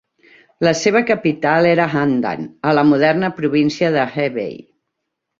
La seva capital era Handan, a la moderna província de Hebei.